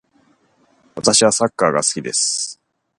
私はサッカーが好きです。